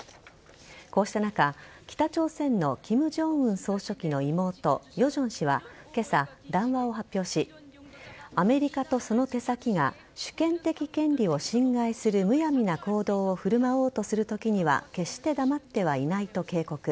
こうした中北朝鮮の金正恩総書記の妹ヨジョン氏は今朝、談話を発表しアメリカとその手先が主権的権利を侵害するむやみな行動を振る舞おうとする時には決して黙ってはいないと警告。